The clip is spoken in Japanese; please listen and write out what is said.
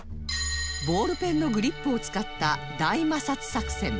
ボールペンのグリップを使った大摩擦作戦